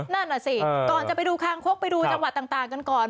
นั่นน่ะสิก่อนจะไปดูคางคกไปดูจังหวัดต่างกันก่อน